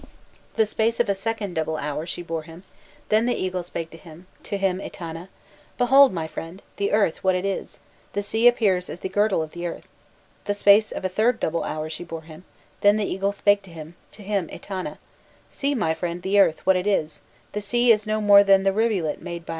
The space of a second double hour she bore him, then the eagle spake to him, to him Etana: 'Behold, my friend, the earth what it is; the sea appears as the girdle of the earth! 'The space of a third double hour she bore him, then the eagle spake to him, to him Etana: 'See, my friend, the earth, what it is: the sea is no more than the rivulet made by a gardener.